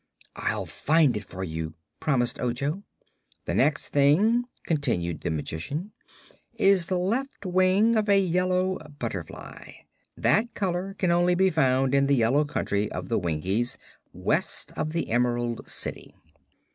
"I'll find it for you," promised Ojo. "The next thing," continued the Magician, "is the left wing of a yellow butterfly. That color can only be found in the yellow country of the Winkies, West of the Emerald City."